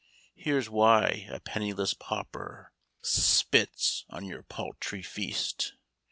Hear why a penniless pauper Spits on your paltry feast.